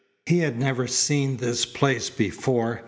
He had never seen this place before.